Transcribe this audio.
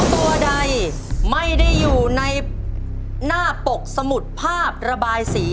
ตัวเลือกที่๑